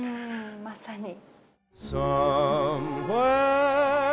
まさに。